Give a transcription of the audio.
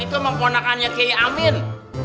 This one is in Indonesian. itu mah keonakannya kayak amin